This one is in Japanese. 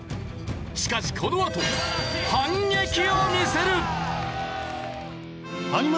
しかしこのあと反撃を見せる！